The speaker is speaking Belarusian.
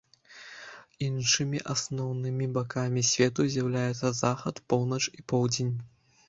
Іншымі асноўнымі бакамі свету з'яўляюцца захад, поўнач і поўдзень.